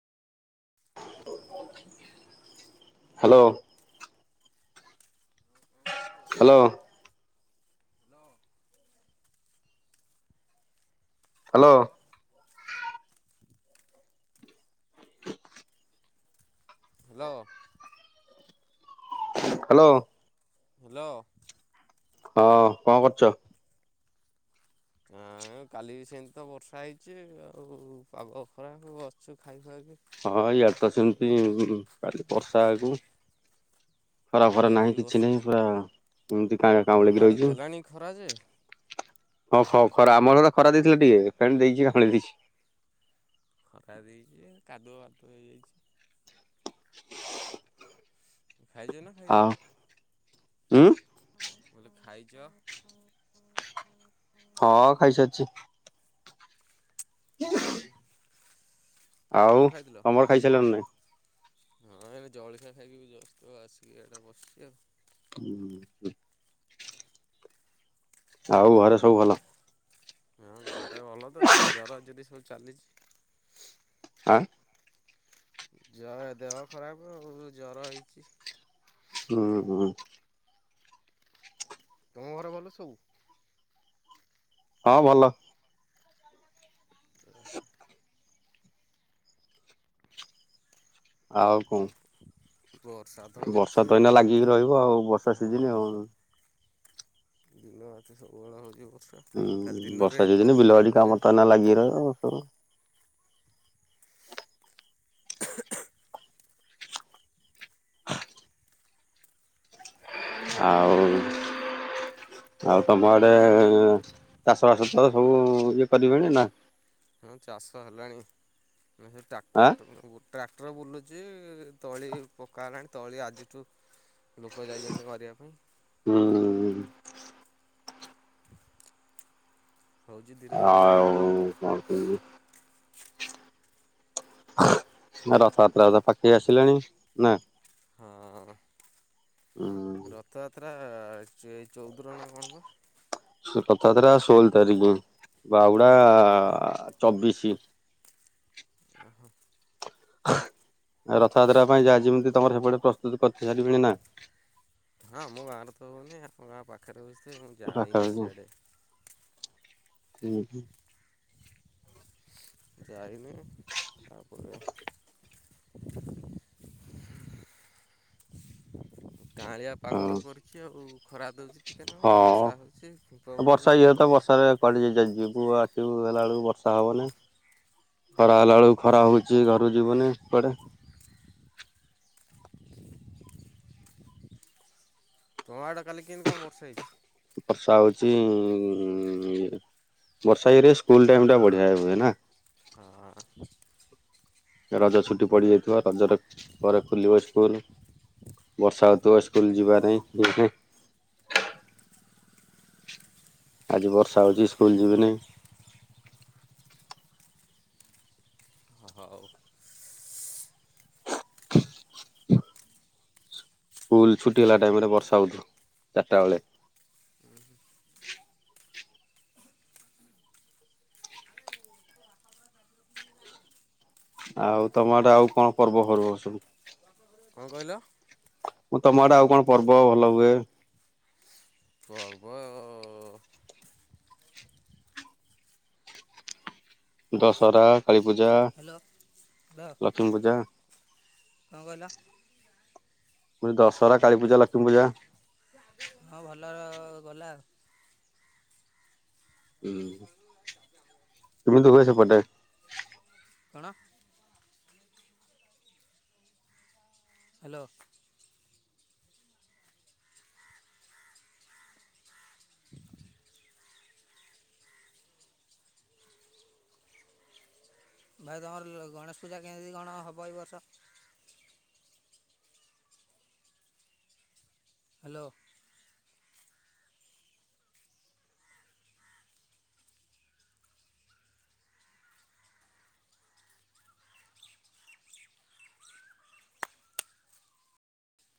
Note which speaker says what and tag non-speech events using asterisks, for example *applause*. Speaker 1: Hello. Hello.
Speaker 2: Hello.
Speaker 1: Hello.
Speaker 2: Hello.
Speaker 1: Hello.
Speaker 2: Hello.
Speaker 1: ହଁ କଣ କରୁଚ?
Speaker 2: ହଁ। *unintelligible* କାଲି ସେମିତି ତ ବର୍ଷା ହେଇଛି ଆଉ ପାଗ ଖରାପ ବସିଛୁ ଖାଇବାକୁ।
Speaker 1: ହଁ ଇଆଡ଼େ ତ ସେମିତି କାଲି ବର୍ଷା *unintelligible* ଖରା ଫରା
Speaker 2: ଡେଲି
Speaker 1: ନାହିଁ କିଛି
Speaker 2: ବର୍ଷା
Speaker 1: ନାହିଁ ପୁରା ଏମତି *unintelligible*
Speaker 2: ଆମ
Speaker 1: କାଉଁଲେଇକି
Speaker 2: ଆଡ଼େ
Speaker 1: ରହିଛି
Speaker 2: ଦେଲାଣି ଖରା ଯେ
Speaker 1: ହଉ ହଉ। ଖରା ଆମର ତ ଖରା ଦେଇଥିଲା ଟିକେ ଫେଣି ଦେଇକି କାଉଁଲେଇ ଦେଇଚି।
Speaker 2: ଖରା ଦେଇଚି ଯେ କାଦୁଅ ପାଦୁଅ ହେଇଯାଇଚି। ଖାଇଚ ନା ଖାଇନ?
Speaker 1: ଆଉ ଉଁ
Speaker 2: *unintelligible* ଖାଇଚ?
Speaker 1: ହଁ ଖାଇସାରିଚି।
Speaker 2: ହ
Speaker 1: ଆଉ ତମର ଖାଇସାରିଲଣି ନା ନାଇଁ?
Speaker 2: ହଁ ଏଇ ଜଳଖିଆ ଖାଇକି ଜଷ୍ଟ୍ ଆସିକି *unintelligible* ବସିଛି ଆଉ।
Speaker 1: ହୁଁ। ଆଉ ଘରେ ସବୁ ଭଲ।
Speaker 2: ହଁ ଘରେ ଭଲ ତ ଏଇନେ ଜର *unintelligible* ସବୁ ଚାଲିଚି।
Speaker 1: ଆଁ
Speaker 2: *unintelligible* ଦେହ ଖରାପ ହବ ଜର ହେଇଚି।
Speaker 1: ହୁଁ ହୁଁ
Speaker 2: ତମ ଘରେ ଭଲ ସବୁ?
Speaker 1: ହଁ ଭଲ।
Speaker 2: ଓହୋ
Speaker 1: ଆଉ କଣ?
Speaker 2: ବର୍ଷା ତ
Speaker 1: ବର୍ଷା
Speaker 2: ହେଉଛି
Speaker 1: ତ ଏଇନା ଲାଗିକି ରହିବ ଆଉ ବର୍ଷା ସିଜିନି
Speaker 2: ହଁ
Speaker 1: ଆଉ।
Speaker 2: ଦିନ ଅଛି ସବୁବେଳେ ହଉ *unintelligible*
Speaker 1: ହୁଁ ବର୍ଷା ସିଜିନ୍ ବିଲବାଡ଼ି କାମ ତ ଏଇନା ଲାଗିକି ରହିବ *unintelligible* ଆଉ ଆଉ ତମ ଆଡ଼େ ଚାଷ ବାସ ତ ସବୁ ଇଏ କରିବେଣି ନା?
Speaker 2: ହୁଁ ଚାଷ ହେଲାଣି *unintelligible*
Speaker 1: ଆ
Speaker 2: ଟ୍ରାକ୍ଟର *unintelligible* ଟ୍ରାକ୍ଟର ବୁଲୁଚି ତଳି ପକା ତଳି ଆଜିଠୁ ଲୋକ ଯାଇଚନ୍ତି ମାରିବା ପାଇଁ।
Speaker 1: ହୁଁ।
Speaker 2: ହେଉଛି ଧୀରେ ଧୀରେ ସବୁ
Speaker 1: ଆଉ କଣ କହିଲୁ ରଥଯାତ୍ରା ପାଖେଇ ଆସିଲାଣି। ନା
Speaker 2: ହଁ
Speaker 1: ଉଁ
Speaker 2: ରଥଯାତ୍ରା ଏ ଚଉଦ ରେ ନା କଣ ପା।
Speaker 1: ରଥଯାତ୍ରା ଷୋହଳ ତାରିଖ। ବାହୁଡା ଚବିଶି।
Speaker 2: ଓହୋ।
Speaker 1: ରଥଯାତ୍ରା ପାଇଁ ଯାହା ଯେମିତି ତମର ସେପଟେ ପ୍ରସ୍ତୁତ କରି ସାରିବେଣି ନା।
Speaker 2: ହଁ ଆମ ଗାଁରେ ତ ହଉନି ଆମ ଗାଁ ପାଖରେ ହଉଚି ଯେ ମୁଁ ଯାଇନି ସିଆଡେ।
Speaker 1: ଉଁ ହୁଁ।
Speaker 2: ଯାଇନି ଆ *inaudible* କାଁଳିଆ ପାଗ
Speaker 1: ହଁ
Speaker 2: ତ କରିଚି ଆଉ। ଖରା ଦେଉଛି ଟିକେ ନାକୁ
Speaker 1: ହଁ
Speaker 2: ବର୍ଷା ହେଉଛି ଉପଭୋଗ
Speaker 1: ବର୍ଷା ଇଏ
Speaker 2: ହୋଉଚି।
Speaker 1: ତ ବର୍ଷାରେ କୁଆଡେ ଯିବୁ ଆସିବୁ ହେଲା ବେଳକୁ ବର୍ ତା ମାନେ
Speaker 2: ହଁ
Speaker 1: ଖରା ହେଲା ବେଳକୁ ଖରା ହଉଛି ଘରୁ ଯିବୁନି। କୁଆଡେ।
Speaker 2: ତମ ଆଡେ କାଲି କେମିତି କଣ ବର୍ଷା ହେଇଛି?
Speaker 1: ବର୍ଷା ହଉଛି ବର୍ଷା ଇରେ ସ୍କୁଲ ଟାଇମ ଟା ବଢିଆ ହୁଏ ନା।
Speaker 2: ହଁ।
Speaker 1: ରଜ ଛୁଟି ପଡିଯାଇଥିବ ରଜରେ ପରେ ଖୋଲିବ। ସ୍କୁଲ୍, ବର୍ଷା ହଉଥିବ ସ୍କୁଲ ଯିବା ନାହିଁ। ଆଜି ବର୍ଷା ହଉଛି ସ୍କୁଲ ଯିବିନି।
Speaker 2: ହଉ।
Speaker 1: ସ୍କୁଲ ଛୁଟି ହେଲା ଟାଇମ ରେ ବର୍ଷା ହଉଚି ଚାରିଟା ବେଳେ। ଆଉ ତମ ଆଦେ ଆଉ କଣ ପର୍ବ ଫର୍ବ ସବୁ?
Speaker 2: କଣ କହିଲ?
Speaker 1: ମୁଁ ତମଆଡେ ଆଉ କଣ ପର୍ବ ଭଲ ହୁଏ?
Speaker 2: ପର୍ବ
Speaker 1: ଦଶହରା, କାଳୀପୂଜା,
Speaker 2: ହ୍ୟାଲୋ ବା
Speaker 1: ଲକ୍ଷ୍ମୀ ପୂଜା।
Speaker 2: କଣ କହିଲ?
Speaker 1: ମୁଁ କହିଲି ଦଶହରା, କାଳୀ ପୂଜା, ଲକ୍ଷ୍ମୀ ପୂଜା।
Speaker 2: ହଁ ଭଲ ଗଲା ଆଉ।
Speaker 1: ହୁଁ କେମିତି ହୁଏ ସେପଟେ?
Speaker 2: କଣ? ହ୍ୟାଲୋ। ଭାଇ ତମର ଗଣେଶ ପୂଜା କେମିତି କଣ ହେବ ଏ ବର୍ଷ? ହ୍ୟାଲୋ।